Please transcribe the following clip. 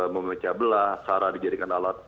memecah belah sarah dijadikan alat